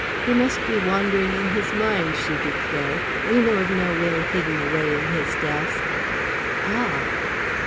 "He must be wandering in his mind," she declared. "We know of no will hidden away in his desk. Ah!"